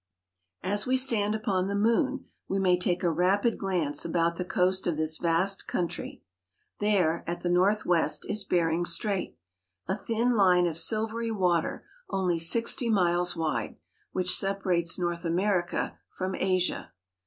As we stand upon the moon we may take a rapid glance about the coast of this vast country. There, at the north west, is Bering Strait, a thin line of silvery water only sixty miles wide, which separates North America from Asia.